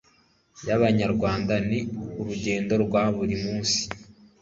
y Abanyarwanda n urugendo rwa buri muns